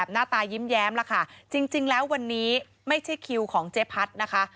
หน้าตายิ้มแล้วค่ะจริงแล้ววันนี้ไม่ใช่คิวของเจ๊พัดนะคะ